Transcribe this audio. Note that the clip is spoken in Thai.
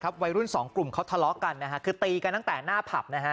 วัยรุ่นสองกลุ่มเขาทะเลาะกันนะฮะคือตีกันตั้งแต่หน้าผับนะฮะ